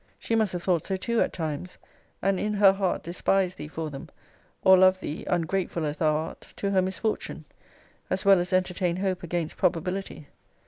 She must have thought so too, at times, and in her heart despised thee for them, or love thee (ungrateful as thou art!) to her misfortune; as well as entertain hope against probability.